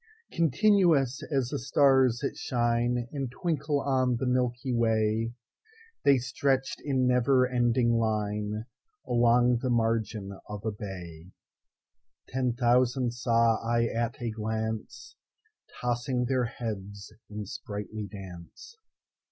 Continuous as the stars that shineAnd twinkle on the Milky Way, They stretch'd in never ending lineAlong the margin of a bay:Ten thousand saw I at a glance, Tossing their heads in sprightly dance.